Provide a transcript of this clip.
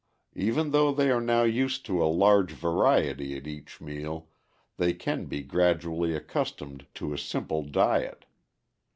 Even though they are now used to a larger variety at each meal, they can be gradually accustomed to a simple diet.